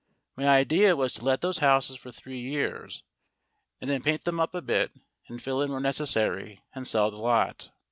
My idea was to let those houses for three years, and then paint them up a bit and fill in where necessary, and sell the lot.